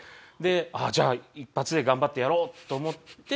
じゃあ一発で頑張ってやろうと思って。